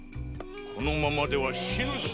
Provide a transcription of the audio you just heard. このままでは死ぬぞ。